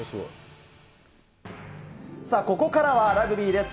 さあ、ここからはラグビーです。